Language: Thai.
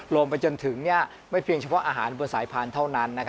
ไปจนถึงไม่เพียงเฉพาะอาหารบนสายพันธุ์เท่านั้น